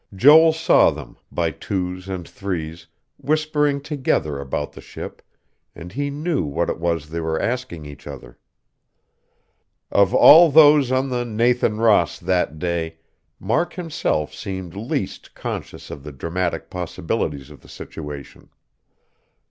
Joel saw them, by twos and threes, whispering together about the ship; and he knew what it was they were asking each other. Of all those on the Nathan Ross that day, Mark himself seemed least conscious of the dramatic possibilities of the situation.